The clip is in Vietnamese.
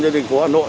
dân dịch phố hà nội